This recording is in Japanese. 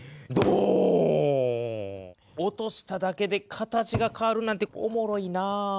落としただけで形が変わるなんておもろいな。